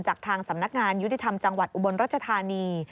จากทางสำนักงานยุติธรรมจังหวัดอุบลรัชธานี